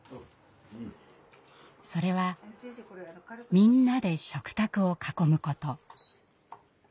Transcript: それはみんなで食卓を囲むこと。